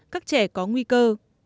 các trẻ có nguy cơ